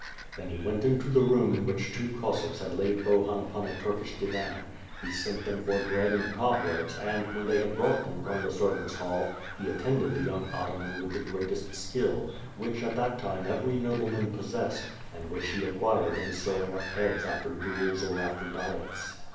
Then he went into the room in which two Cossacks had laid Bohun upon a Turkish divan; he sent them for bread and cobwebs and, when they had brought them from the servant's hall, he attended the young ataman with the greatest skill, which at that time every nobleman possessed, and which he ac quired in sewing up heads after duels or after diets.